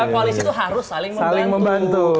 koalisi itu harus saling membantu